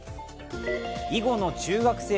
囲碁の中学生